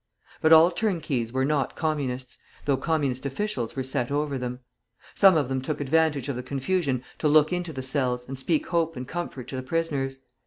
But all turnkeys were not Communists, though Communist officials were set over them. Some of them took advantage of the confusion to look into the cells, and speak hope and comfort to the prisoners.